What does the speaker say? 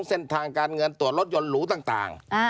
เส้นทางการเงินตรวจรถยนต์หรูต่าง